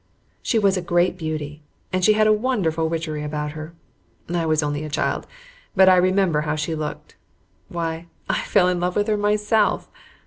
She was a great beauty, and she had a wonderful witchery about her. I was only a child, but I remember how she looked. Why, I fell in love with her myself!